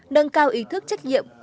nâng cao ý thức trách nhiệm